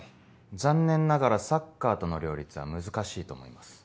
残念ながらサッカーとの両立は難しいと思います。